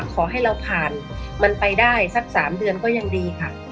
ขอให้เราผ่านมันไปได้สัก๓เดือนก็ยังดีค่ะ